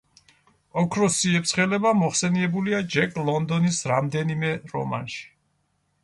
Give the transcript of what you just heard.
ოქროს ციებ-ცხელება მოხსენიებულია ჯეკ ლონდონის რამდენიმე რომანში.